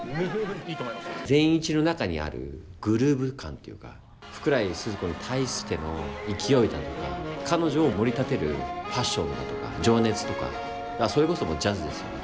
善一の中にあるグルーヴ感というか福来スズ子に対しての勢いだとか彼女をもり立てるパッションだとか情熱とかそれこそジャズですよね